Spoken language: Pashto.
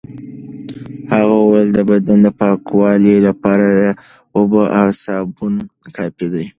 هغه وویل د بدن د پاکوالي لپاره اوبه او سابون کافي دي.